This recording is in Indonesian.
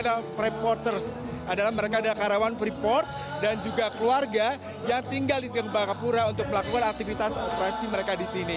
di tembaga pura untuk melakukan aktivitas operasi mereka di sini